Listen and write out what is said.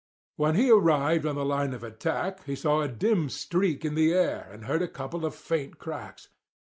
When he arrived on the line of attack he saw a dim streak in the air, and heard a couple of faint cracks.